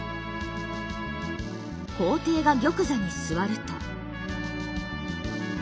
皇帝が玉座に座ると。